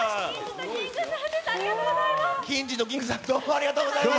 ありがとうございます。